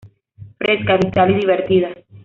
Fresca, vital y divertida.